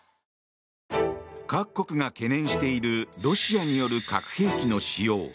各国が懸念しているロシアによる核兵器の使用。